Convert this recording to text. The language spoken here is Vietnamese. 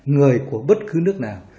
người của bất cứ nước nào